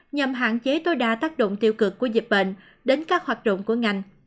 nhằm hạn chế tối đa tác động tiêu cực của dịch bệnh đến các hoạt động của ngành